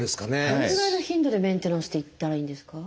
どのぐらいの頻度でメンテナンスって行ったらいいんですか？